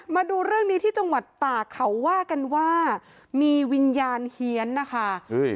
มาดูเรื่องนี้ที่จังหวัดตากเขาว่ากันว่ามีวิญญาณเฮียนนะคะเฮ้ย